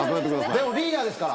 でもリーダーですから。